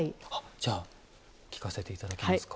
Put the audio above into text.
じゃあ聴かせて頂けますか？